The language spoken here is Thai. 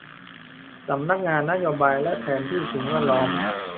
สำนักงานนโยบายและแผนสิ่งแวดล้อม